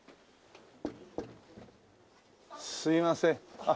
すみません。